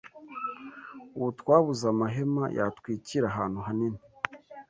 Ubu twabuze amahema yatwikira ahantu hanini